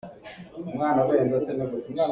A liang a chuk.